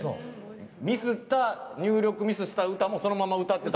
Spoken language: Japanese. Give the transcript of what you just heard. ミスって入力したのもそのまま歌ってた？